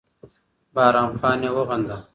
بهرام خان یې وغنده